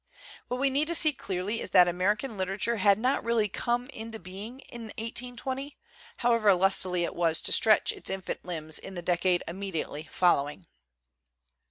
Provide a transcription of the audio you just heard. What we need to see clearly is that American literature had not really come into being in 1820, however lustily it was to stretch its infant limbs in the decade immediately fol lowing.